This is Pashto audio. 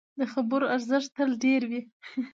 د خبرو ارزښت تل ډېر وي